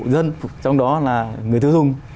dân trong đó là người tiêu dùng